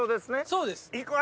そうです。